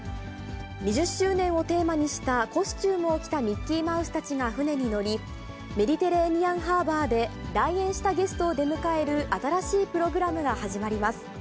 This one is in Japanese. ２０周年をテーマにしたコスチュームを着たミッキーマウスたちが船に乗り、メディテレーニアンハーバーで来園したゲストを出迎える新しいプログラムが始まります。